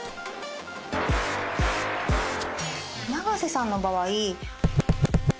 永瀬さんの場合。